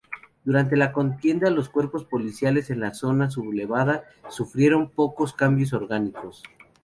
Durante la contienda los cuerpos policiales en la zona sublevada sufrieron pocos cambios orgánicos.